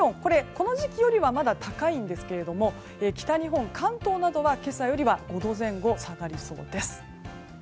この時期よりはまだ高いんですが北日本、関東などは今朝よりは５度前後下がりそうです。